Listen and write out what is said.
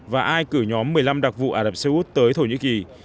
và ai cử nhóm một mươi năm đặc vụ ả rập xê út tới thổ nhĩ kỳ